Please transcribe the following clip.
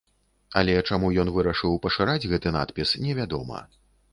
Але чаму ён вырашыў пашыраць гэты надпіс, невядома.